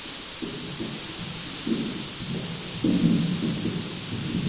ছুটির সময়ে কমলাকে বিদ্যালয়েই রাখিবার জন্য রমেশ কর্ত্রীর সহিত পূর্বেই ঠিক করিয়াছিল।